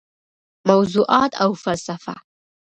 موضوعات او فلسفه: